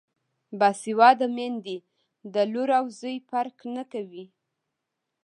باسواده میندې د لور او زوی فرق نه کوي.